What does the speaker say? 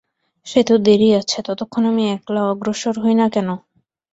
সে তো দেরি আছে, ততক্ষণ আমি একলা অগ্রসর হই-না কেন?